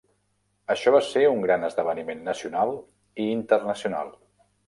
Això va ser un gran esdeveniment nacional i internacional.